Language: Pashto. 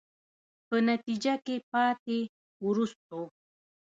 په نتیجه کې پاتې، وروستو.